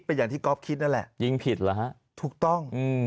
เป็นอย่างที่ก๊อฟคิดนั่นแหละยิงผิดเหรอฮะถูกต้อง